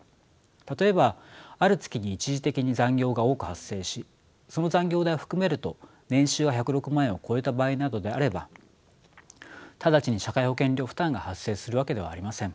例えばある月に一時的に残業が多く発生しその残業代を含めると年収が１０６万円を超えた場合などであれば直ちに社会保険料負担が発生するわけではありません。